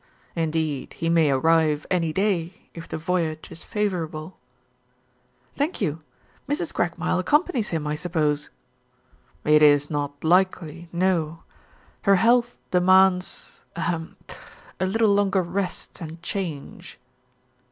Indeed he may arrive any day, if the voyage is favorable." "Thank you. Mrs. Craigmile accompanies him, I suppose?" "It is not likely, no. Her health demands ahem a little longer rest and change."